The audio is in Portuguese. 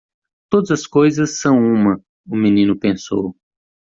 Todas as coisas são uma? o menino pensou.